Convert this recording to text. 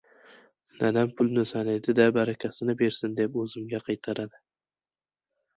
Dadam pulni sanaydi-da, «barakasini bersin», deb o‘zimga qaytaradi.